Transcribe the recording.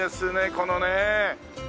このね。